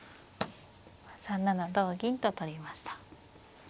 ３七同銀と取りました。